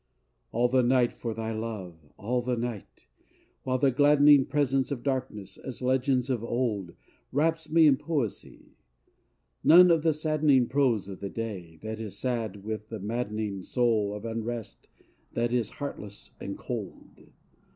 All the night for thy love, all the night! while the gladdening Presence of darkness, as legends of old, Wraps me in poesy: none of the saddening Prose of the day that is sad with the maddening Soul of unrest that is heartless and cold.